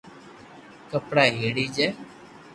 ڪپڙا ھيڙي جي